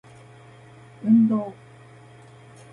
運動